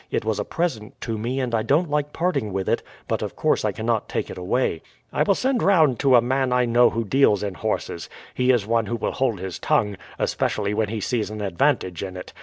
It was a present to me, and I don't like parting with it. But of course I cannot take it away." "I will send round word to a man I know who deals in horses. He is one who will hold his tongue, especially when he sees an advantage in it.